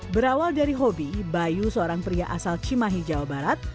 berawal dari hobi bayu seorang pria asal cimahi jawa barat